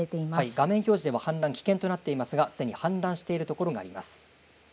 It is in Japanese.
画面表示では氾濫危険となっていますがすでに氾濫しているところがあります。